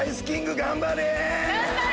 頑張れ！